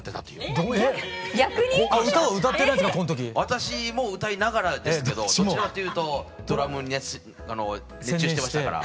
私も歌いながらですけどどちらかというとドラムに熱中してましたから。